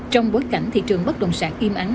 trong bối cảnh thị trường bất động sản im ắng